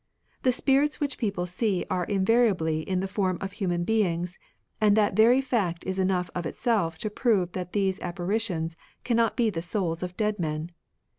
... The spirits which people see are invari ably in the form of human beings, and that very fact is enough of itself to prove that these appari tions cannot be the souls of dead men.